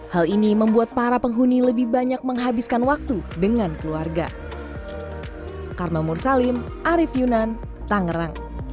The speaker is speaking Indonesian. hal ini membuat para penghuni lebih banyak menghabiskan waktu dengan keluarga